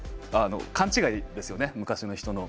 勘違いですよね、昔の人の。